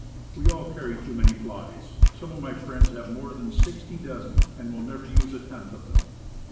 We all carry too many flies. Some of my friends have more than sixty dozen, and will never use a tenth of them.